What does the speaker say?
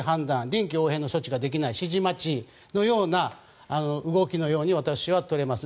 臨機応変の処置ができない指示待ちのような動きのように私は取れます。